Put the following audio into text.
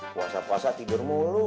puasa puasa tidur mulu